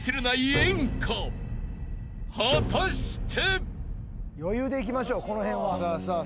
［果たして］